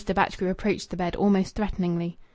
Batchgrew approached the bed almost threateningly.